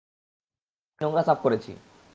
আমি নোংরা সাফ করেছি।